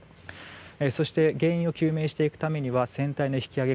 そして原因を究明してくためには船体の引き揚げ